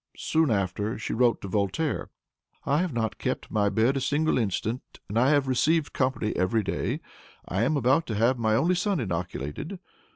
Soon after, she wrote to Voltaire, "I have not kept my bed a single instant, and I have received company every day. I am about to have my only son inoculated.